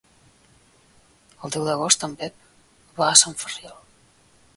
El deu d'agost en Pep va a Sant Ferriol.